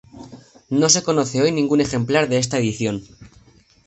No se conoce hoy ningún ejemplar de esta edición.